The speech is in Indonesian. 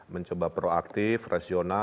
mencoba proaktif rasional